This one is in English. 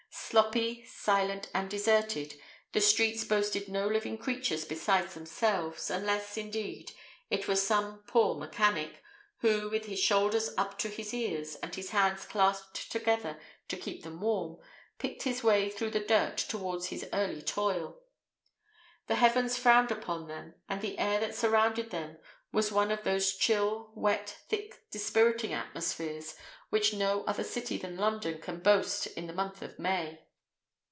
Sloppy, silent, and deserted, the streets boasted no living creature besides themselves, unless, indeed, it was some poor mechanic, who, with his shoulders up to his ear's, and his hands clasped together to keep them warm, picked his way through the dirt towards his early toil. The heavens frowned upon them, and the air that surrounded them was one of those chill, wet, thick, dispiriting atmospheres which no other city than London can boast in the month of May.